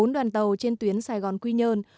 bốn đoàn tàu trên tuyến sài gòn quy nhơn